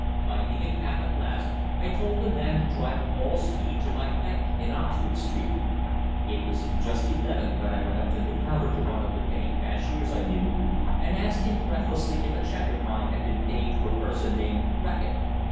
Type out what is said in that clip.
Finding a cab at last, I told the man to drive with all speed to my bank in Oxford Street. It was just eleven when I went up to the counter to one of the paying cashiers I knew, and asked him breathlessly if a cheque of mine had been paid to a person named Reckitt.